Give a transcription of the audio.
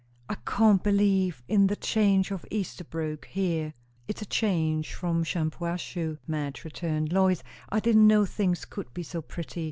"I can't believe in the change from Esterbrooke here." "It's a change from Shampuashuh," Madge returned. "Lois, I didn't know things could be so pretty.